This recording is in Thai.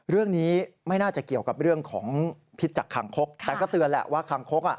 เรื่องนี้ไม่น่าจะเกี่ยวกับเรื่องของพิษจากคางคกแต่ก็เตือนแหละว่าคางคกอ่ะ